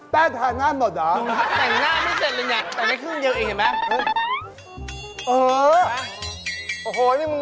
แป้งทางหน้าหมดหรือ